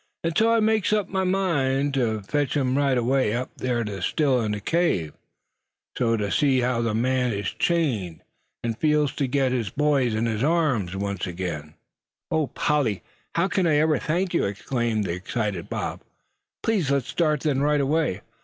An' so I makes up my min' ter fotch 'im right away up ter ther Still in ther cave, so's ter see how the man as is chained'd feel ter git his boy in his arms onct agin!" "Oh! Polly, however can I thank you?" exclaimed the excited Bob; "please let's start then right away.